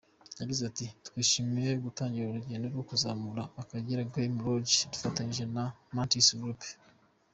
Yaize ati “ Twishimiye gutangira urugendo rwo kuzamura Akagera Game Lodge dufatanyije na Mantis Group.